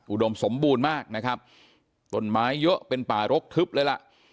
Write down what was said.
อุดมสมบูรณ์มากนะครับต้นไม้เยอะเป็นป่ารกทึบเลยล่ะ